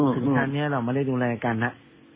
ถึงครั้งนี้เราไม่ได้ดูแลกันนะ